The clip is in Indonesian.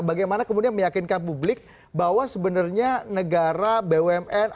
bagaimana kemudian meyakinkan publik bahwa sebenarnya negara bumn